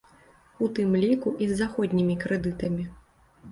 У тым ліку і з заходнімі крэдытамі.